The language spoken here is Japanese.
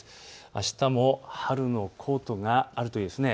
あしたも春のコートがあるといいです。